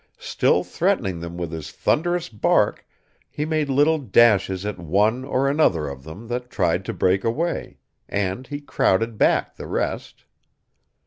Still threatening them with his thunderous bark he made little dashes at one or another of them that tried to break away; and he crowded back the rest.